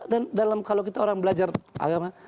dan kalau kita orang belajar agama